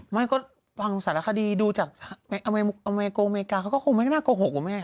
ไม่ก็ฟังสารคดีดูจากอเมโกอเมริกาเขาก็คงไม่น่าโกหกว่าแม่